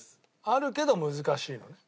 あるけど難しいのね？